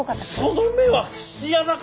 その目は節穴か！？